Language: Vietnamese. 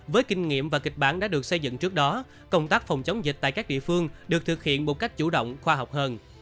với kinh nghiệm và kịch bản đã được xây dựng trước đó công tác phòng chống dịch tại các địa phương được thực hiện một cách chủ động khoa học hơn